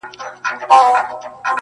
د هندوستان و لور ته مه ځه!!